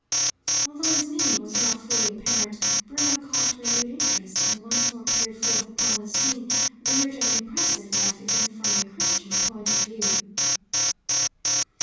Although his meaning was not fully apparent, Bruno caught renewed interest, and once more peered forth upon the scene, weird and impressive enough, even from a Christian point of view.